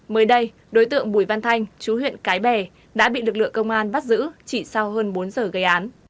mới đây đối tượng bùi văn thanh chú huyện cái bè đã bị lực lượng công an bắt giữ chỉ sau hơn bốn giờ gây án